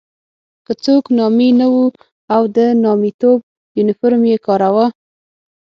که څوک نامي نه وو او د نامیتوب یونیفورم یې کاراوه.